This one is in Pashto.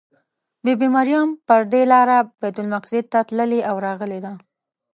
بي بي مریم پر دې لاره بیت المقدس ته تللې او راغلې ده.